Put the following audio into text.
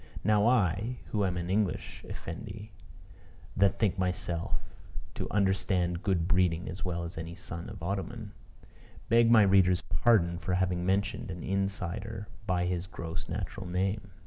Now I, who am an English Effendi, that think myself to understand good breeding as well as any son of Othman, beg my reader's pardon for having mentioned an insider by his gross natural name.